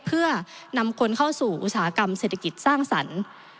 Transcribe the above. เพื่อนำคนเข้าสู่อุตสาหกรรมเศรษฐกิจสร้างสรรค์